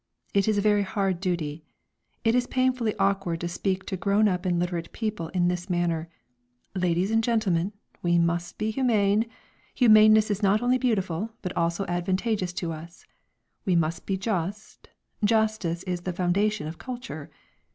It is a very hard duty: it is painfully awkward to speak to grown up and literate people in this manner: "Ladies and gentlemen! We must be humane; humaneness is not only beautiful, but also advantageous to us. We must be just; justice is the foundation of culture.